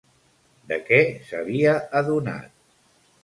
De què s'havia adonat?